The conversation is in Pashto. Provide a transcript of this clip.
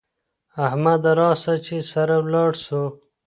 احمده راسه چې سره لاړ سو